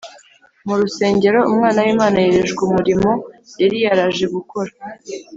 . Mu rusengero, Umwana w’Imana yerejwe umurimo yari yaraje gukora